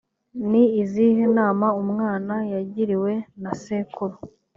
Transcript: ni izihe nama umwana yagiriwe na sekuru